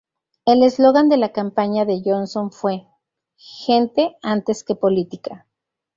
El eslogan de la campaña de Johnson fue "Gente antes que Política".